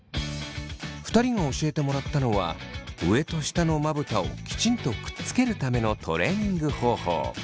２人が教えてもらったのは上と下のまぶたをきちんとくっつけるためのトレーニング方法。